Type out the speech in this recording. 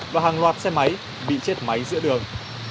và hàng loạt xe máy bị chết máy giữa đường